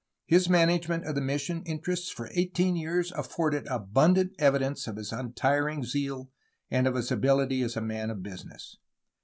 His management of the mission in terests for eighteen years affords abundant evidence of his untiring zeal and of his ability as a man of business.